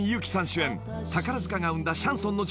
主演宝塚が生んだシャンソンの女王